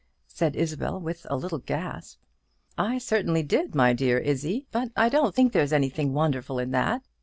said Isabel, with a little gasp. "I certainly did, my dear Izzie; but I don't think there's anything wonderful in that.